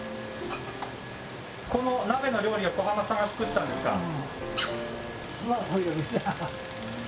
この鍋の料理は小浜さんが作ったんですか？